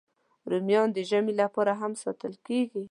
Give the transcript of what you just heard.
رومیان د ژمي لپاره هم ساتل کېږي